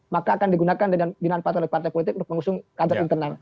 maka akan digunakan dengan dimanfaat oleh partai politik untuk mengusung kader internal